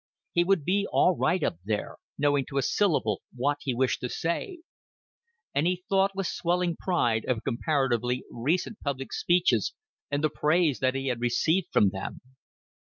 He would be all right up there, knowing to a syllable what he wished to say; and he thought with swelling pride of comparatively recent public speeches and the praise that he had received from them.